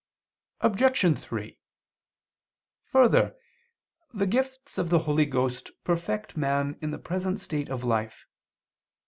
Obj. 3: Further, the gifts of the Holy Ghost perfect man in the present state of life.